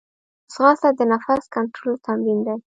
ځغاسته د نفس کنټرول تمرین دی